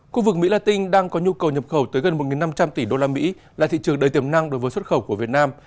khu vực mỹ la tinh đang có nhu cầu nhập khẩu tới gần một năm trăm linh tỷ usd là thị trường đầy tiềm năng đối với xuất khẩu của việt nam